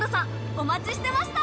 お待ちしてました！